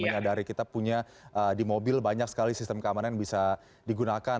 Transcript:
menyadari kita punya di mobil banyak sekali sistem keamanan yang bisa digunakan